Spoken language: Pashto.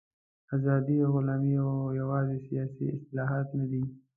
ازادي او غلامي یوازې سیاسي اصطلاحات نه دي.